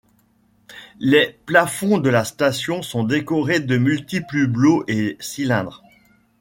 Les plafonds de la station sont décorés de multiples hublots et cylindres.